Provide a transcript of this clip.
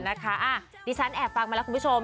ดิฉันแอบฟังมาแล้วคุณผู้ชม